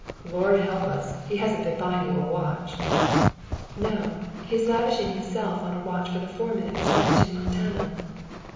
"Lord help us, he hasn't been buying you a watch?" "No; he was lavishing himself on a watch for the foreman of his ranch in Montana."